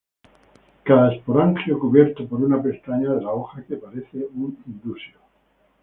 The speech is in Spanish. Cada esporangio cubierto por una pestaña de la hoja que parece un indusio.